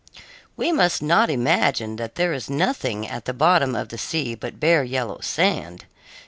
We must not imagine that there is nothing at the bottom of the sea but bare yellow sand.